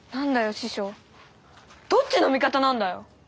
師匠どっちの味方なんだよ！